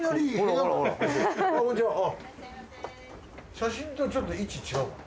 写真とちょっと位置違う。